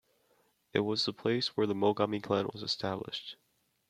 It was the place where the Mogami clan was established.